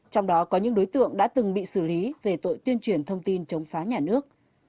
trong đó có những đối tượng đã từng bị xử lý về tội tuyên truyền thông tin chống phá nhà nước